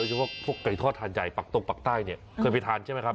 ตั้งแต่ไก่ทอดฮาซยายปากตกปากใต้เคยไปทานใช่ไหมครับ